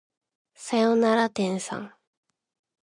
さよなら天さん